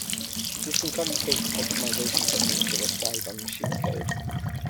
This can complicate optimization techniques that are applied on machine code.